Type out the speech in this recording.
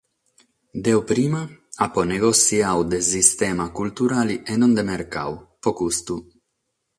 Deo prima apo negossiadu de sistema culturale e non de mercadu, pro custu.